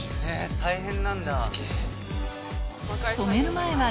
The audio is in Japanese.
大変なんだ。